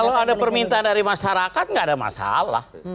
kalau ada permintaan dari masyarakat nggak ada masalah